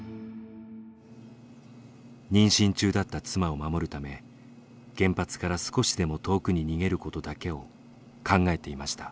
妊娠中だった妻を守るため原発から少しでも遠くに逃げることだけを考えていました。